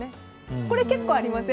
これは結構ありません？